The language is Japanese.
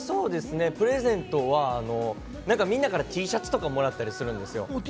僕は、みんなからＴシャツをもらったりするんですよ。